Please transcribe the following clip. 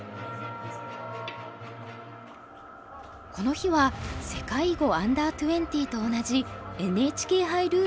この日は世界囲碁Ｕ−２０と同じＮＨＫ杯ルールで練習対局。